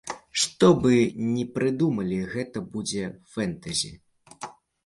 Што бы ні прыдумалі, гэта будзе фэнтэзі!